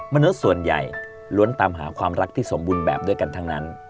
มนุษย์ส่วนใหญ่ล้วนตามหาความรักที่สมบูรณ์แบบด้วยกันทั้งนั้น